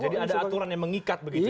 oke jadi ada aturan yang mengikat begitu ya